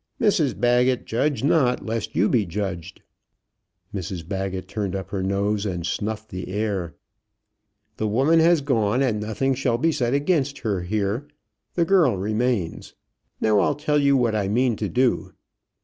"Mrs Baggett, judge not, lest you be judged." Mrs Baggett turned up her nose and snuffed the air. "The woman has gone, and nothing shall be said against her here. The girl remains. Now, I'll tell you what I mean to do."